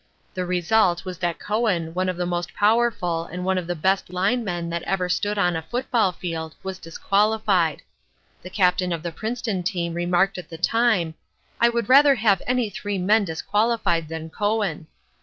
The result was that Cowan, one of the most powerful, and one of the best linemen that ever stood on a football field, was disqualified. The Captain of the Princeton team remarked at the time, 'I would rather have any three men disqualified than Cowan.'